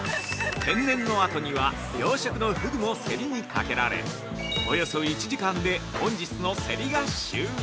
◆天然のあとには養殖のふぐも競りにかけられおよそ１時間で本日の競りが終了。